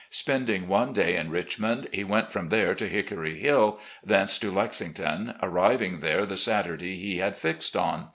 Spending one day in Richmond, he went from there to " Hickory Hill," thence to Lexington, arriving there the Saturday he had fixed on.